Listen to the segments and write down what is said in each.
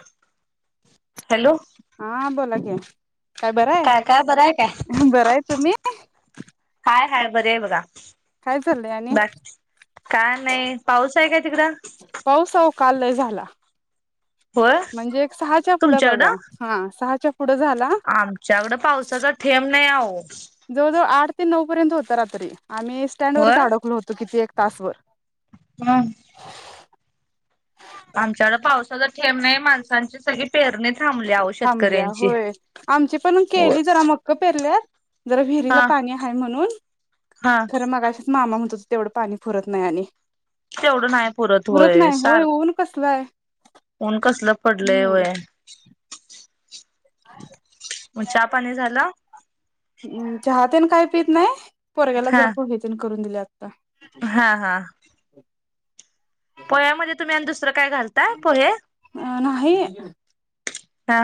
ह हा बोला की काय बरंय काय बरं आहे काय बरंय तुम्ही हाय हाय बर आहे बघा. काय चाललंय आणि बाकी का नाही पाऊस आहे का तिकड? पाऊस अहो काल झाला होय म्हणजे सहाच्या पुढे बघा, तुमच्याकडं हा सहा आमच्याकडं पावसाचा थेंब नाही आहो जवळजवळ आठ ते नऊ पर्यंत होत रात्री आम्ही स्टँड वरच अडखलो होतो किती एक तासवर हम आमच्याकड पावसाच ठेम नाही माणसांची सगळी पेरणी थांबली आहो थांबल्या शेतकऱ्यांची होय, आमची पण होय केली जरा मक्क पेरल्यात जरा विहिरीला हा पाणी आहे म्हणून हा खर मग अशत मामा म्हणत तेवढं पाणी फुरत नाही आणि तेवढं नाही पुरत फरत नाही होय सार ऊन कसलंय ऊन कसल पडलंय वय ह मग चहा पाणी झालं? म चाहतेन काही पत नाही पोरग्याला हा जरा पुढे ते करून दिले आता हा हा पोह्यामध्ये तुम्ही आणि दुसरं काय घालता पोहे अ नाही हा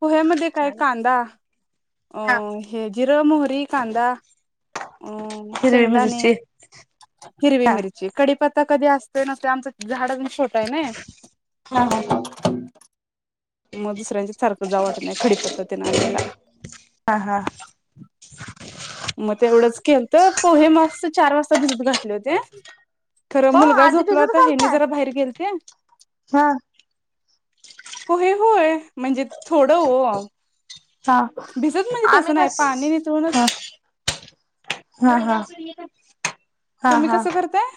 पोह्यामध्ये काय कांदा अ हे जिर मोहरी तठी कांदा अ हिरवी शेंगदाणे मिरची हिरवी हा मिरची कडीपता कधी असते नसते आमच झाड पण छोटं आहे हा ना हा मग दुसऱ्यांच्या सारखं जावट नाही खडी पद्धतीनेयला हा हा मग तेवढंच केल तर पोहे मस् चार वाजता भिजत घाठले होते हो खरं मुलगा आधी झोपला भिजत होता हेनी घालताय जरा बाहेर गेल गेलते हा हो हे होय म्हणजे थोडं हो हा आम्ही कस पाणी निथळूनच हा हा हा तुम्ही हा कसं करताय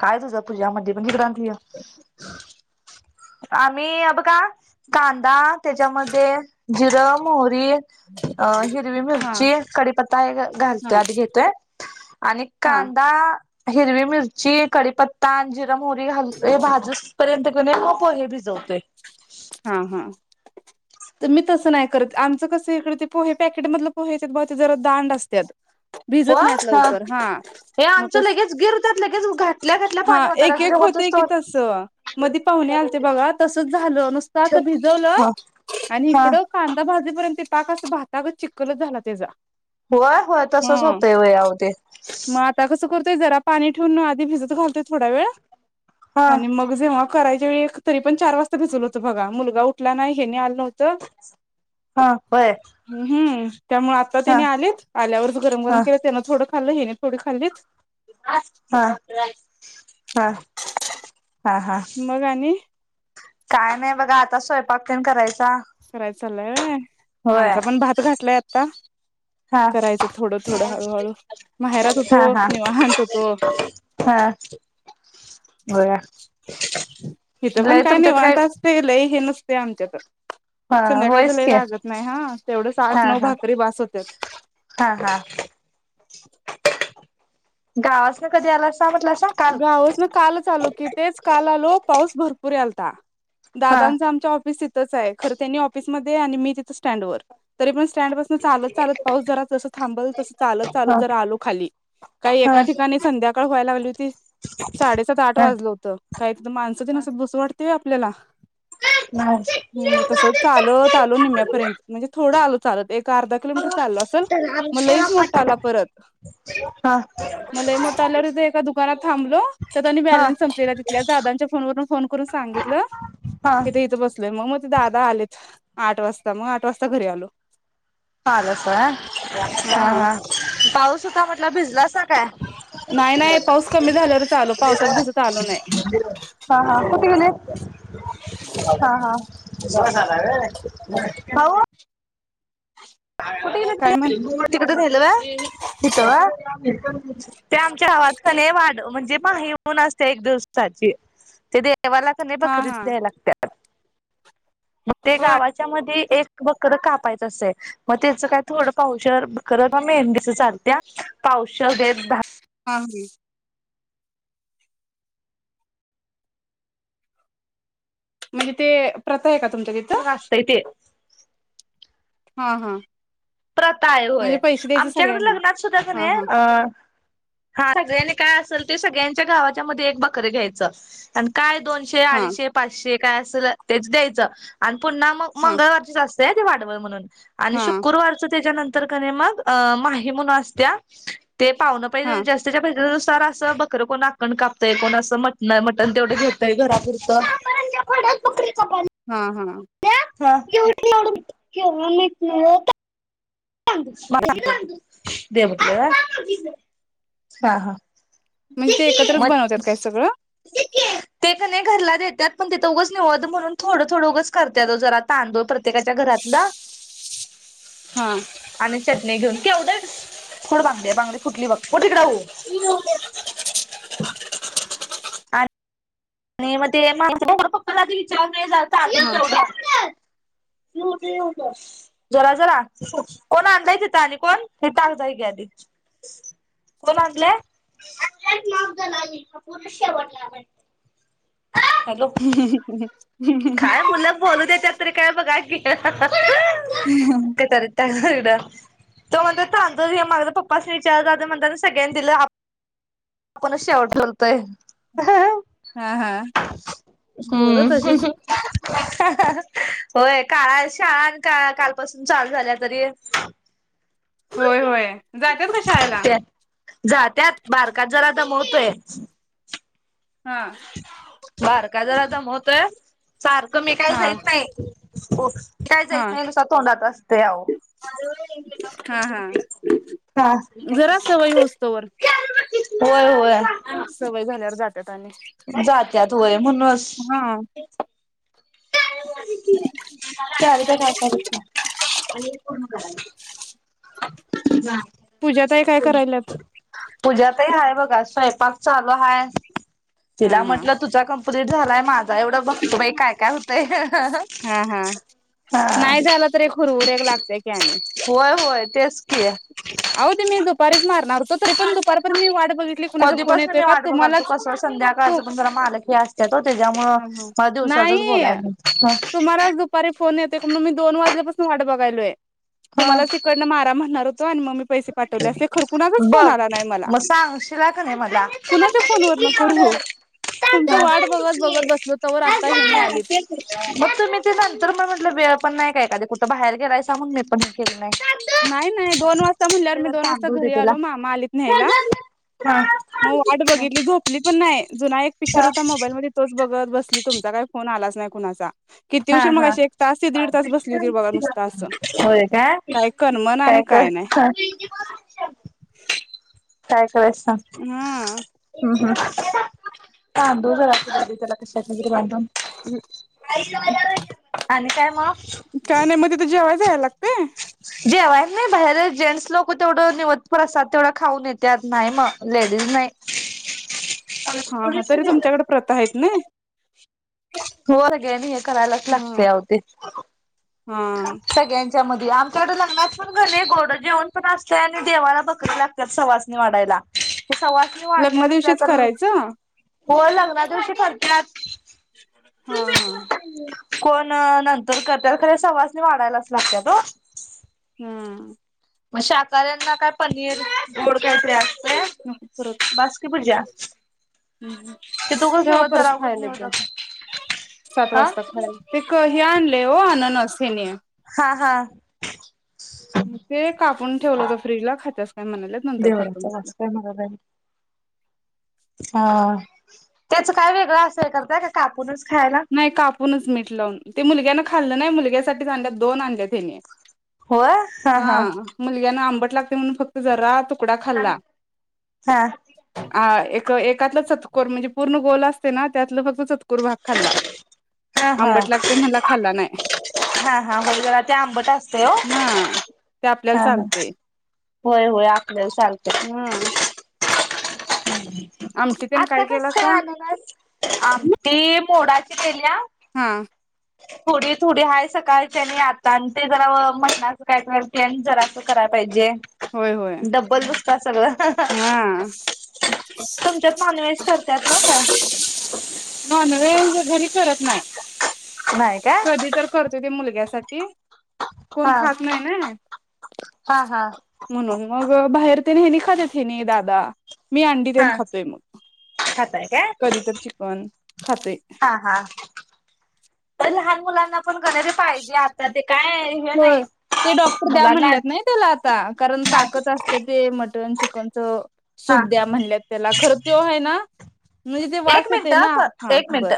काय तुझं तुझ्यामध्ये पण हिकडं आन ठेवूया आम्ही अ बघा कांदा त्याच्यामध्ये जिरं मोहरी हिरवी हा मिरची कडीपत्ता घालतोय हा त्यात घेतोय आणि हा का दा हिरवी मिरची कडीपत्ता आणि जिर मोहरी हे भाजूस पर्यंत की नय मग पोहे भिजवतोय हा हा [inaudible] तर मी तसं नाही करत आमचं कसं इकड ते पोहे पॅकेटमधलं पोहे येत्यात बघा जरा दांड असत्यात भिजत नाही लवकर हा हे म आमचं कस लगेच गिर त्यात लगेच घातल्या घातल्या पाणी हा वतायला लागतंय एकेक ते होत वतूस होतंय की तवर तस मधे पाहुणे आलते बघा तसच झालं नुसता असं भिजवल हा आणि हा इकड कांदा भाजे पर्यंत पर्यंत ते पाक असा भातागत चिखलच झाला त्याचा होय होय तसच हा होतंय व्हय अहो ते मग आता कसं करतो ते जरा पाणी ठेवून आधी भिजत घालतोय थोडया वेळ हा आणि मग जेव्हा करायच्या वेळी तरी पण चार वाजता भिजवल होत बघा मुलगा उठला नाही ह्यांनी आलं न्हवत त ह हा होय हम्म त्यामुळे आता हा त्याने आलेत आल्यावर गरम हा गरम केलं त्यानं थोडं खाल्लं हेन थोडी खाल्लीत हा हा हा हा मग आणि काय नाही बघा आता स्वयंपाक तेन करायचं करायच चाललंय व्हय होय आमचा पण भात घातलाय आता. हा करायचं थोडं थोडं हळूहळू माहेरात हा होतो हा निवांत होतो. हा. होय इथं पण लय काय तुमच्यात निवांत असतय लय हे नस. ते आमच्याकड. हा संध्याकाळच होयच लई की लागत नाही हा तेवढस हा आठ नऊ हा भाकरी बास होत्यात. हा हा गावासन कधी आलासा. म्हटलासा काल गावासन कालच आलो की तेच काल आलो पाऊस भरपूर यालता. हा दादांच आमच्या ऑफिस तिथंच आहे खर त्यांनी ऑफिसमध्ये आणि मी तिथ स्टँडवर तरी पण. स्टँड पसन चालत चालत पाऊस जरा जसं थांबल तसं चालत चालत हा जरा आलो खाली. काही हा एका ठिकाणी संध्याकाळ व्हायला लागली होती. साडेसात आठ हा वाजलं होतं काय तिथं माणसं तेन हा असतात बसू वाटतय व्हय आपल्याला. हम् तस चालत आलो निम्या पर्यंत तर म्हणजे थोडं आलो चालत एक. अर्धा किलोमीटर चाललो असल मग आमच्या लईच मोठा आला परत. हा म लई मोठा आल्यावर एका दुका दुकानात थांबलो तर त्यात आणि हा बॅलन्स संपलेला तिथल्या दादांच्या फोनवरून फोन करून सांगितल. हा इथं इथं बसलय मग मग ते दादा आलेत आठ वाजता मग आठ वाजता घरी आलो. आलासा व्हय हा हा पाऊस होता म्हटला भिजलासा काय. नाही नाही पाऊस कमी झाल्यावरच आलो पावसात भिजत आलो नाही. कुठं गेले हा हा झालाय व्हय भाऊ. कुठं गेलेत काय सगळे म्हण तिकडं. तिथ झालं व्हय इथं व्हय ते आमच्या गावात की नाही वाढ म्हणजे. ना असते एक दिवसाची ते देवाला क नाही हा बकरी हा द्या लागत्या मग ते होय गावाच्या मध्ये एक बकर कापायचं असंतय मग त्याचं काय थोडं पावशर खरं पण मेंढीच आणत्यात पावशर एक. हां ह. म्हणजे ते प्रथा आहे का तुमच्या तिथं. दहा असतय ते हा हा. प्रथाय म्हणजे होय पैसे द्यायचे आमच्याकडे सगळ्यांना लग्नात सुद्धा का हा नाही. हा काय असेल ते सगळ्यांच्या गावाच्या म एक बकरीे घ्यायचं आणि काय दोनशे हा अडीचशे पाचशे काय असल तेच द्यायचं आणि पुन्हा मग हा मंगळवारची जा असतय ते वाडवळ म्हणून आणि हा शुक्रवारच त्याच्यानंतर कने मग अ माही म्हणू असत्या. ते पावलं हा पाहिजे जास्तच्या पाहिजे. सर असं बकरर कोण आकण कापतय कोण असं मटन आहे मटन तेवढं घेतय घरापुरतं. पखे ख हा हा हाूनव्हाट नाही. देवत हा हा म्हणजे ते एकत्रच मग बनवतात काय सगळं. ते क नाही घरला देतात पण तिथं उघं निवत म्हणून थोडं थोडं उगंच करत्यात तो जरा तांदूळ प्रत्ये प्रत्येकाच्या घरातलं. हा आणि चटणी घेऊन. वढ्याथोड बांगडे बांगडे फुटली बघ को तिकड हो. ह. आणि मग ते मा पप्पाला ज विचार नाही झाल हा तर आप च जरा जरा कोण आणायचेत आणि कोण हे टाकदाय की आधी [unintelligible] कोण लालं माग पर् शेवटला [unintelligible] हॅलो काय मुलं बोलू देत्यात काय बघा की. ते तरी त्या तो म्हण तांत माझ पप्पास विचार म्हण सगळ्यांनी दिलं आपणच शेवड उरतोय. हा हा पोर हम्म. तशीच होय. काळा शाळा आणि का कालपासून चालू झाल्या तरी - - होय होय जात्यात का शाळेला त्या जा त्यात बारकाच जरा दमवतोय. हा. बारका जरा दमवतोय. सारखं मी काय हा जाईत नाही. ऊठं काय हा जायच नाही. तुसत तोंडात असतेयं अ हो. हा हा हा. जरा सवय होऊस्तोवर होय, होय. सवय झाल्यावर जातात आणि. जात्यात होय हा. सारिका का काय का बघं कि आणि एल पूर्ण करायचं. पूजाताई काय करायल्यात पूज्यातही हाय बघ. स्वयपाक चालु हाय. हा तिला हा म्हंटल तुझ कंप्टीट झालाय माझ एवढं बघतो बाई काय काय होतंय. हा हा हा. नाही झाला तर एक हुरहुर एक लागतय की आणि होय, होय. तेच कि. अयो ते मी दुपारीच मार हु त तरी पण दुपारपर्यंत मी वाट बघितली कुणाचा फोन कधीपासून येतोय मी का वाट बघाल तू तुम्हालाच कसं तू संध्याकाळचं पण जरा मालक हे असत्यात ओ - त्याच्यामुळं ह ह मला नाही दिवसाचच बोलाय तुम्हाला दुपारी फोन - - तेक मी दोन वाजल्यापासुन वाट बघायलोयं. ह तुम्हालाच तिकंड मारा म्हणणार होतो आणि मग - - पैसे पाठवले असते खरं कुणाचाच फोन बघ आला नाही मला मग सांगशीला का नाही मला. कुणाच्या फोन वरण करू. हो. [inaudible] आता हेनी आलीत मग तुम्ही ते नंतर म्ह म्हटलं वेळ - - पण नाही. काय कधी कुठं बाहेर गेलाय म्हणुन मी पण केेलं नाही. नाही, नाही. दोन वाजता म्हणल्यावर मी दोन वाजता तांदूळ दे घरी त्याला. आलो. मामा आलीत न्यायला. हा मग वाट बघितली. झोपली पण नाही. जुना एक पिक्चर होता. मोबाईल मध्ये तोच बघत बसली. तुमचा काही फोन आलाच नाही कुणाचा. किती हा, उशीर मग हा, अशी एक तास ते दीड तास बसली होती बघा नुसता असं होय काय. करमण काय आणि कर. नाही काय करायच सांग? हा ह् हम्. हां दोर ला त्याला कशाला [unintelligible] हम्. आणि काय मग काय नाही मग तिथे जेवायला जायला लागतंय? नाही बाहेर जेंट्स लोक तेवढं निवद परसाद खाऊन तेवढं खाऊन येत्यात, नाही मग लेडीज नाही. ह. [inaudible] हा हा तरी तुमच्याकडे प्रथा आहेत ना? होर गेनी हे करायलाच हा लागते अव ते. हा सगळ्यांच्या म आम आमच्याकडे लग्नात पण क नी पण घरी गोड जेवण पण असतय आणि देवाला बकरी लागतात सवासणी वाढायला. सवासणी वाढल्या लग्ना नसल्या दिवशीच तर, करायचं हा हो लग्ना दिवशी करत्यात. हा हा. कोण नंतर करत्यात, खरे सवासने वाढायलाच लागत हो. हम्म. मग शाकाऱ्यांना काय पनीर गोड कायतरी असं न पुर [unintelligible] तिथं उगाच ठेवा, निवद परत जरा उगाच खायला निवद ते. सात हा वाजता खायला ते क हे आणलेय आननस यांनी. हा हा. ते कापून ठेवलं होत, फ्रीजला खात्यास काय म्हणाले नंतर खात देवराचा म्हणलं. वास [inaudible] हा त्याच काय वेगळं असं हे करता? का कापूनच खायला नाही कापूनच. मिठ लावून ते मुलग्यान खाल्लं नाही. मुलग्यासाठीच्या दोन आणल्या त्यानी. हा मुलग्यान आंबट भूक लागली म्हणून फक्त जरा तुकडा खाल्ला. हा आ एक एकाच चतकोर म्हणजे पूर्ण गोल असते ना, त्यात फक्त चतकूर भाग खाल्ला. हा हा. आंबट लागते म्हणला खाल्ला नाही हा हा म्हणजे जरा ते आंबट असते हो ते आपल्याला हा ह. चालते होय होय आपल्याला हा चालतय. आमटी तेन काय आता कस? केलासा आननस आमती मोडाची गेल्या- हम. थोडी थोडी हाय सकाळच्या आणि आता आणि ते जरा मटणाचं काय प्लॅन जराचं करायला पाहिजे. होय होय डब्बल दुसत सगळं हा. तुमच्यात नॉनव्हेज करतात ना का नॉनव्हेज घरी करत नाही. नाही काय कधी तर करते ते मुलग्यासाठी. कोण हा खात नाही ना. हा हा म्हणून मग बाहेर तेन हेनी खातेत, हेनी दादा मी अंडी हा तेन खातोय मग. खाताय काय कधी तर चिकन खाते. पण लहान- मुलांना पण गणरी पाहिजे आता ते काय हे नाही हो. ते डॉक्टर द्या मुलांना म्हणत नाही त्याला, आता कारण ताकद असते ते. मटन चिकनच हा सूप द्या म्हणल्या त्याला, खरं तो आहे ना? म्हणजे ते वास एक मिनिट येते ना आ, हा एक बर मिनट.